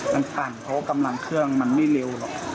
มันสั่นเพราะกำลังเครื่องมันไม่เร็วหรอก